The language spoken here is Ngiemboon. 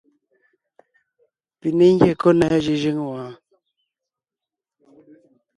Pi ne ńgyɛ́ kɔ́ ná jʉ́jʉ́ŋ wɔɔn?